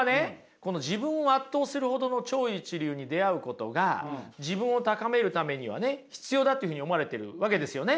この自分を圧倒するほどの超一流に出会うことが自分を高めるためにはね必要だっていうふうに思われてるわけですよね。